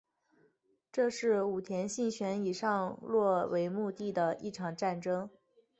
这是武田信玄以上洛为目的的一场战争。